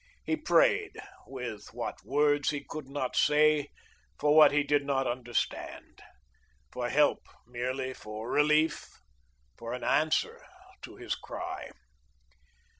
He prayed, with what words he could not say for what he did not understand for help, merely, for relief, for an Answer to his cry.